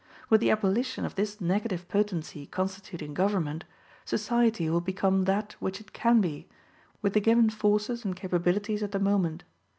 With the abolition of this negative potency constituting government, society will become that which it can be, with the given forces and capabilities of the moment.